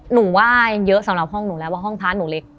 หนูว่าเยอะสำหรับห้องหนูแล้วว่าห้องพระหนูเล็ก